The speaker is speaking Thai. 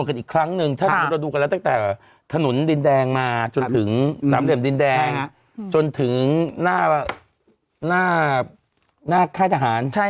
กันอีกครั้งนึงดูตั้งแต่ถนนดินแดงมาจนถึงสำเร็จดินแดงจนถึงหน้าแท่าหาร